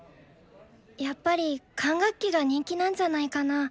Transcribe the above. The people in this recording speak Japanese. やっぱり管楽器が人気なんじゃないかな？